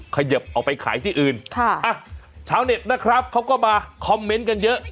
เขยิบเอาไปขายที่อื่นค่ะอ่ะชาวเน็ตนะครับเขาก็มาคอมเมนต์กันเยอะ